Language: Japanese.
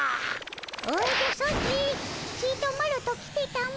おじゃソチちとマロと来てたも。